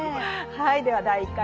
はいでは第１回